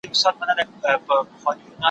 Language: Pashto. زه پرون د سبا لپاره د ژبي تمرين کوم،